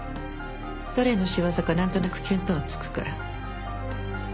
誰の仕業かなんとなく見当はつくから。